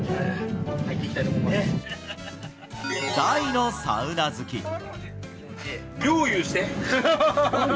大のサウナ好き。